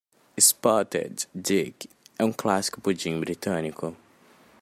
Spotted dick é um clássico pudim britânico.